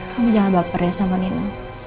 kamu jangan baper ya sama nina